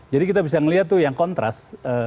jadi kita bisa melihat tuh yang kontras